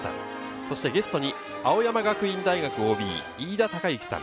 そしてゲストに青山学院大学ＯＢ・飯田貴之さん。